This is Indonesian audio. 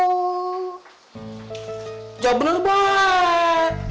udah bener bener baik